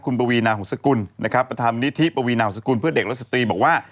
คุณปวีนาหงษกุลนะครับประธานนิธิปวีนามสกุลเพื่อเด็กและสตรีบอกว่า